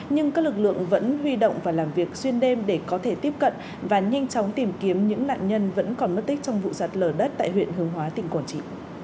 nhưng các lực lượng vẫn huy động và làm việc xuyên đêm để có thể tiếp cận và nhanh chóng tìm kiếm những nạn nhân vẫn còn mất tích trong vụ sạt lở đất tại huyện hướng hóa tỉnh quảng trị